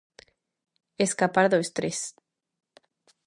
Escapar do estrés.